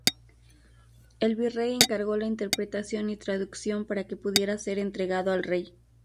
El Virrey encargó la interpretación y traducción para que pudiera ser entregado al rey.